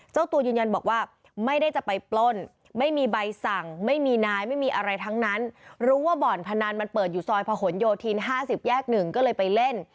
เจ้าตัวยืนยันบอกว่าไม่ได้จะไปปล้นไม่มีใบสั่งไม่มีนายไม่มีอะไรทั้งนั้นรู้ว่าบ่อนพนันมันเปิดอยู่ซอยพะหนโยธิน๕๐แยก๑ก็เลยไปเล่น